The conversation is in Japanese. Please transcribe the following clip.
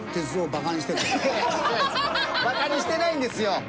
バカにしてないんですよ！